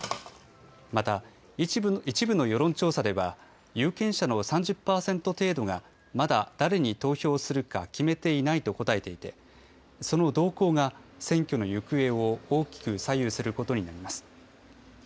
また、一部の世論調査では、有権者の３０％程度がまだ誰に投票するか決めていないと答えていて、その動向が選挙の行方を大きく左右することになります。